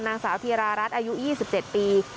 นางสาวธีรารัฐภูริธนาศิลป์อายุ๒๗ปี